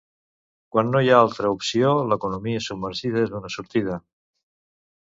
Quan no hi ha altra opció, l'economia submergida és una sortida.